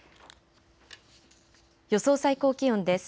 予想最高気温です。